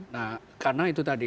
nah karena itu tadi